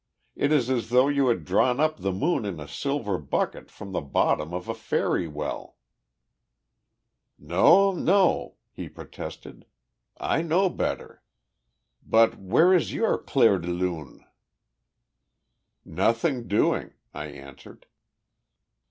"It is as though you had drawn up the moon in a silver bucket from the bottom of a fairy well." "No, no," he protested; "I know better. But where is your clair de lune?" "Nothing doing," I answered.